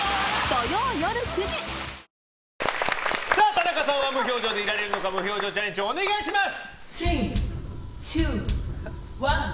田中さんは無表情でいられるのか無表情チャレンジお願いします！